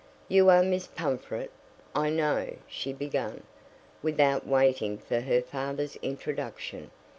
"You are Miss Pumfret, I know," she began, without waiting for her father's introduction.